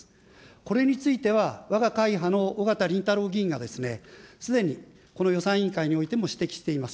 これについては、わが会派のおがたりんたろう議員がすでにこの予算委員会においても指摘しています。